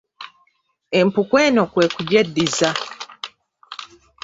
Empuku eno kwe kugyeddiza